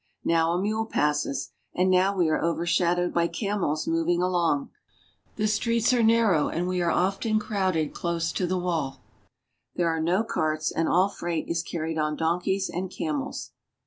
Now a mule passes, and now we are overshadowed by camels moving along. The streets are narrow, and we are often crowded close to the wall. There are no carts, and all freight is carried on donkeys and camels.